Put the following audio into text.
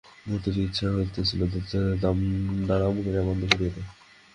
মতির ইচ্ছা হইতেছিল দরজাটা দড়াম করিয়া বন্ধ করিয়া দেয়।